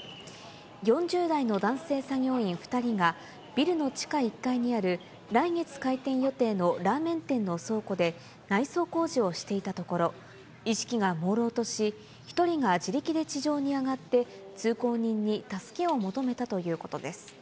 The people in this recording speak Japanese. ４０代の男性作業員２人がビルの地下１階にある来月開店予定のラーメン店の倉庫で、内装工事をしていたところ、意識がもうろうとし、１人が自力で地上に上がって、通行人に助けを求めたということです。